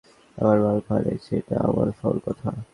আমার বাল্ব হারাইসে, এইটা আউল ফাউল কথা?